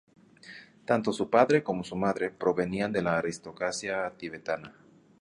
Tanto su padre como su madre provenían de la aristocracia tibetana.